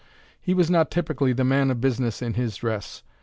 He was not typically the man of business in his dress.